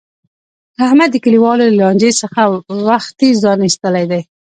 احمد د کلیوالو له لانجې څخه وختي ځان ایستلی دی.